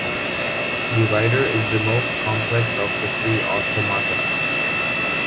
The writer is the most complex of the three automata.